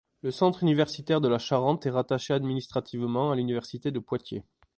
Le Centre universitaire de la Charente est rattaché administrativement à l'université de Poitiers.